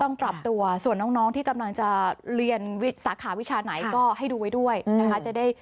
ต้องกลับตัวส่วนน้องที่กำลังจะเรียนสาขาวิชาไหนก็ให้ดูไว้ด้วย